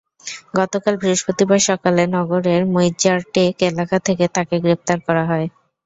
গতকাল বৃহস্পতিবার সকালে নগরের মইজ্জারটেক এলাকা থেকে তাঁকে গ্রেপ্তার করা হয়।